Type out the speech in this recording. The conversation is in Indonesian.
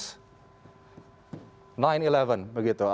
yang menjadi dalang pada kasus sembilan sebelas